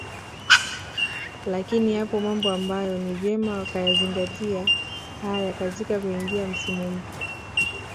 lakini yapo mambo ambayo ni vyema wakayazingatia haya katika kuingia msimu mpya